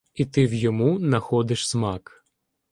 І ти в йому находиш смак.